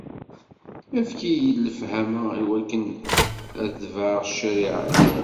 Efk-iyi-d lefhama iwakken ad tebɛeɣ ccariɛa-k.